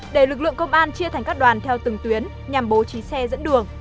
để lực lượng công an chia thành các đoàn theo từng tuyến nhằm bố trí xe dẫn đường